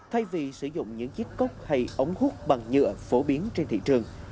thay vì sử dụng những chiếc cốc hay ống hút bằng nhựa phổ biến trên thị trường